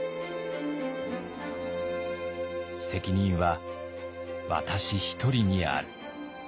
「責任は私一人にある」。